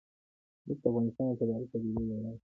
نفت د افغانستان د طبیعي پدیدو یو رنګ دی.